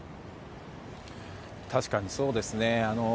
確かにそうですね。